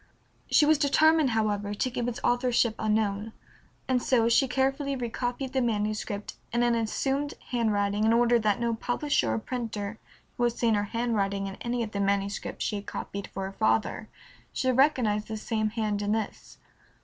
She was determined, however, to keep its authorship unknown, and so she carefully recopied the manuscript in an assumed handwriting in order that no publisher or printer who had seen her handwriting in any of the manuscripts she had copied for her father should recognize the same hand in this.